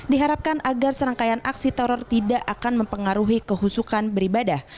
diharapkan agar serangkaian aksi teror tidak akan mempengaruhi kehusukan beribadah